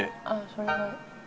それは。